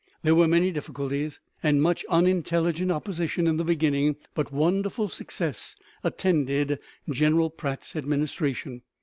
There were many difficulties and much unintelligent opposition in the beginning, but wonderful success attended General Pratt's administration.